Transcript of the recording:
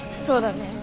そうだね。